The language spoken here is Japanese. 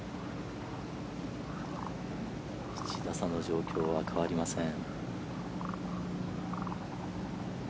１打差の状況は変わりません。